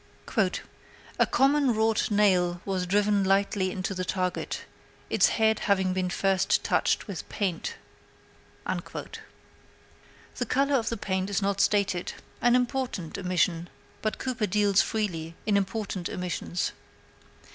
"A common wrought nail was driven lightly into the target, its head having been first touched with paint." The color of the paint is not stated an important omission, but Cooper deals freely in important omissions.